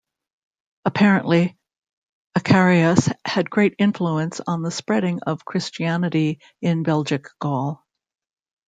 Apparently, Acarius had great influence on the spreading of Christianity in Belgic Gaul.